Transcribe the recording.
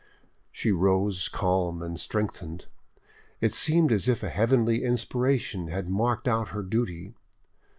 She rose calm and strengthened: it seemed as if a heavenly inspiration had marked out her duty.